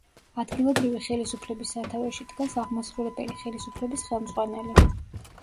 ადგილობრივი ხელისუფლების სათავეში დგას აღმასრულებელი ხელისუფლების ხელმძღვანელი.